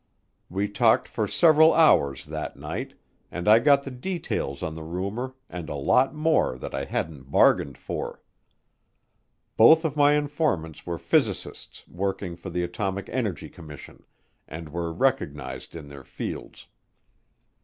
We talked for several hours that night, and I got the details on the rumor and a lot more that I hadn't bargained for. Both of my informants were physicists working for the Atomic Energy Commission, and were recognized in their fields.